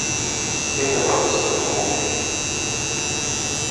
إنها قصةٌ مضحكة.